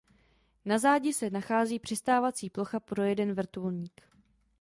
Na zádi se nachází přistávací plocha pro jeden vrtulník.